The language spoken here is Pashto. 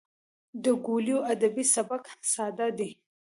د کویلیو ادبي سبک ساده دی.